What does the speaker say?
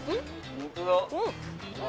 本当だ。